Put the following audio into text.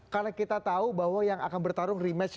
karena kita tahu bahwa yang akan bertarung rematch